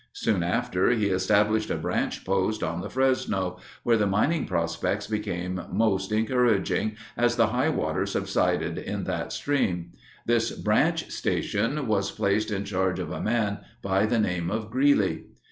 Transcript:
Soon after, he established a branch post on the Fresno, where the mining prospects became most encouraging, as the high water subsided in that stream. This branch station was placed in charge of a man by the name of Greeley.